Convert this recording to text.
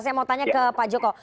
saya mau tanya ke pak joko